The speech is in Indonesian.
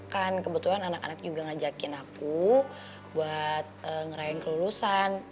kan kebetulan anak anak juga ngajakin aku buat ngerayain kelulusan